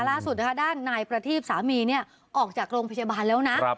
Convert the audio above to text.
ล่าสุดนะคะด้านนายประทีพสามีเนี่ยออกจากโรงพยาบาลแล้วนะ